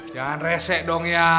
jangan resek dong ya